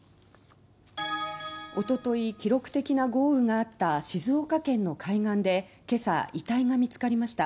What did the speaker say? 一昨日、記録的な豪雨があった静岡県の海岸で今朝、遺体が見つかりました。